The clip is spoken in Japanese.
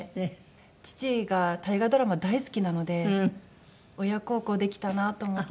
父が大河ドラマ大好きなので親孝行できたなと思って。